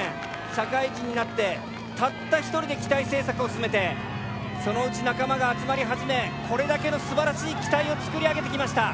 社会人になってたった１人で機体製作を進めてそのうち仲間が集まり始めこれだけのすばらしい機体を作り上げてきました。